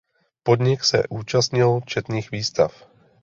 Podnik se účastnil četných výstav.